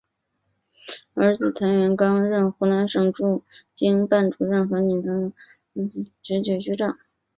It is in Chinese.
儿子谭元刚任湖南省驻京办主任和女谭木兰任茶陵县民政局局长。